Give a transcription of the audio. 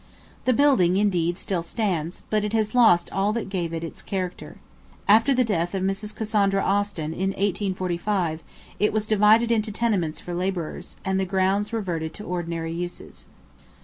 The building indeed still stands, but it has lost all that gave it its character. After the death of Mrs. Cassandra Austen, in 1845, it was divided into tenements for labourers, and the grounds reverted to ordinary uses.